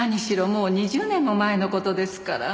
もう２０年も前の事ですから。